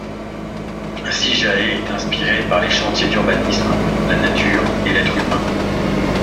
Sijae est inspirée par les chantiers d'urbanisme, la nature et l’être humain.